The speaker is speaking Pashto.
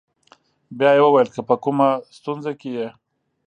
بیا یې وویل: که په کومه ستونزه کې یې.